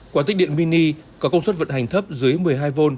quạt điện mini có công suất vận hành thấp dưới một mươi hai v